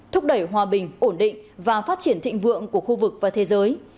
thúc đẩy hòa bình ổn định và phát triển thịnh vượng của khu vực và thế giới